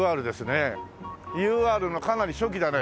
ＵＲのかなり初期だね。